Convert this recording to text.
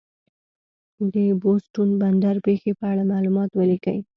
د بوستون بندر پېښې په اړه معلومات ولیکئ.